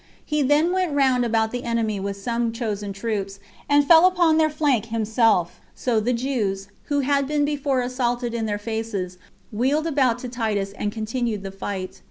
He then went round about the enemy with some chosen troops, and fell upon their flank himself; so the Jews, who had been before assaulted in their faces, wheeled about to Titus, and continued the fight.